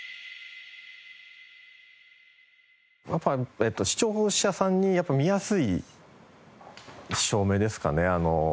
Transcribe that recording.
やっぱり視聴者さんに見やすい照明ですかね。